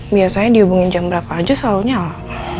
biasanya dihubungin jam berapa aja selalu nyala